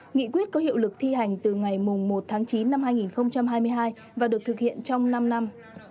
nghị quyết có hiệu lực thi hành từ ngày một tháng chín năm hai nghìn hai mươi hai và được thực hiện trong năm năm